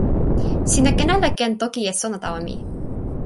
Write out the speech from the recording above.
sina ken ala ken toki e sona tawa mi?